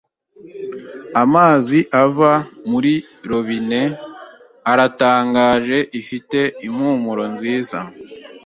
Amazi ava muri robine aratangaje. Ifite impumuro nziza.